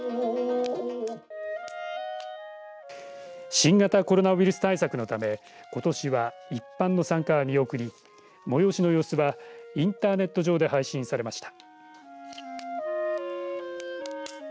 新型コロナウイルス対策のためことしは一般の参加は見送り催しの様子はインターネット上で配信されました。